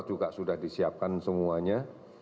juga sudah disiapkan semuanya